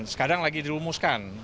sekarang lagi dilumuskan